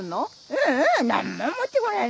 ううん何も持ってこないよ。